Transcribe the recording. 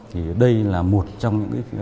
thì đây là một trong những cái